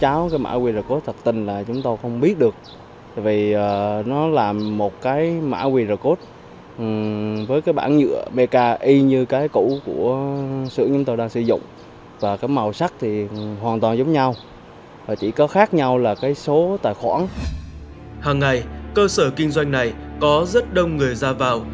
hàng ngày cơ sở kinh doanh này có rất đông người ra vào